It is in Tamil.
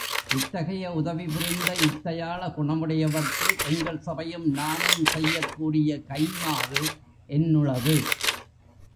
இத் தகைய உதவி புரிந்த இத்தயாள குணமுடையவர்க்கு, எங்கள் சபையும் நானும் செய்யக்கூடிய கைம்மாறு என்னுளது?